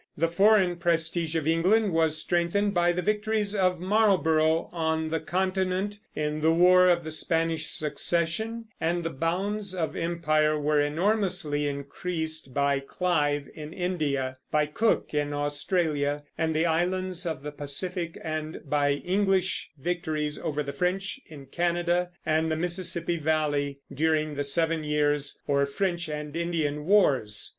The foreign prestige of England was strengthened by the victories of Marlborough on the Continent, in the War of the Spanish Succession; and the bounds of empire were enormously increased by Clive in India, by Cook in Australia and the islands of the Pacific, and by English victories over the French in Canada and the Mississippi Valley, during the Seven Years', or French and Indian, Wars.